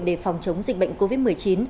để phòng chống dịch bệnh covid một mươi chín